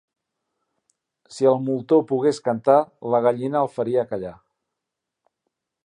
Si el moltó pogués cantar, la gallina el feria callar.